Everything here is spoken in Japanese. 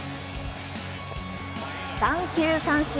三球三振。